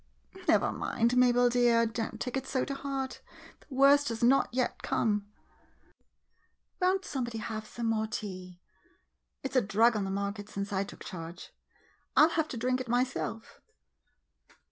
Never mind, Mabel dear — don't take it so to heart — the worst has not yet come ! [In her ordinary tone.] Won't somebody have some more tea? It 's a drug on the market since I took charge. I '11 have to drink it myself.